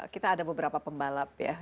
kita ada beberapa pembalap ya